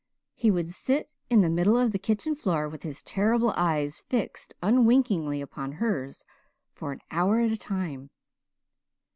He would sit in the middle of the kitchen floor, with his terrible eyes fixed unwinkingly upon hers for an hour at a time.